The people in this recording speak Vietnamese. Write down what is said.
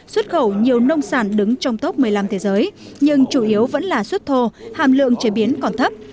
xuất khẩu nhiều nông sản đứng trong top một mươi năm thế giới nhưng chủ yếu vẫn là xuất thô hàm lượng chế biến còn thấp